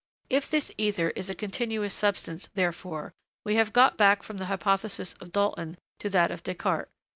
If this ether is a continuous substance, therefore, we have got back from the hypothesis of Dalton to that of Descartes.